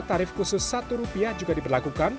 tarif khusus rp satu juga diberlakukan